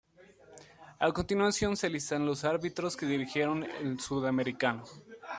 A continuación se listan los árbitros que dirigieron el sudamericano.